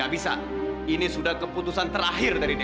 gak bisa ini sudah keputusan terakhir dari daddy